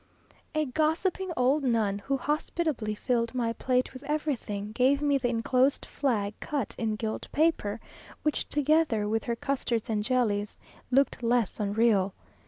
A gossiping old nun, who hospitably filled my plate with everything, gave me the enclosed flag cut in gilt paper, which, together with her custards and jellies, looked less unreal.